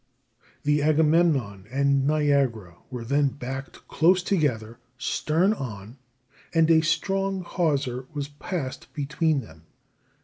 The Agamemnon and Niagara were then backed close together, stern on, and a strong hawser was passed between them.